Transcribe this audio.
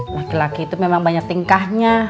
laki laki itu memang banyak tingkahnya